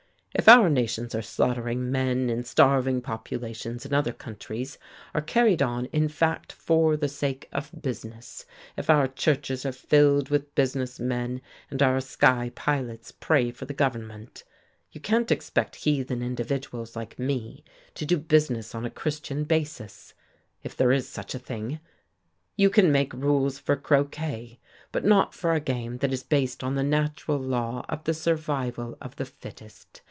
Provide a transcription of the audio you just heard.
If our nations are slaughtering men and starving populations in other countries, are carried on, in fact, for the sake of business, if our churches are filled with business men and our sky pilots pray for the government, you can't expect heathen individuals like me to do business on a Christian basis, if there is such a thing. You can make rules for croquet, but not for a game that is based on the natural law of the survival of the fittest.